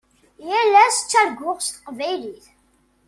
Yal ass ttarguɣ s teqbaylit.